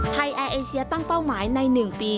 แอร์เอเชียตั้งเป้าหมายใน๑ปี